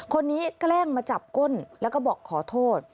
แกล้งมาจับก้นแล้วก็บอกขอโทษ